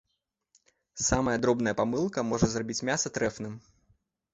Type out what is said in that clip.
Самая дробная памылка можа зрабіць мяса трэфным.